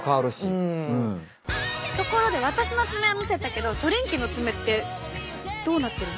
ところで私の爪は見せたけどトリンキーの爪ってどうなってるの？